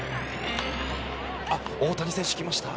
大谷選手、来ました。